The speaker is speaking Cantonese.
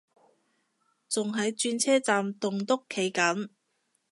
仲喺轉車站棟篤企緊